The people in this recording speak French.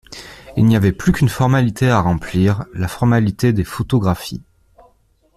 Il n’y avait plus qu’une formalité à remplir: la formalité des photographies.